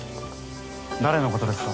誰のことですか？